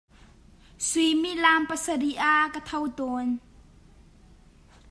Suimilam pasarih ah ka tho tawn.